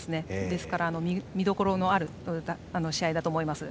ですから見どころのある試合だと思います。